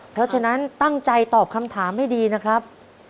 เพราะฉะนั้นตั้งใจตอบคำถามให้ดีนะครับ